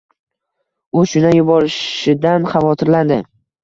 U shundan yuborishidan xavotirlandi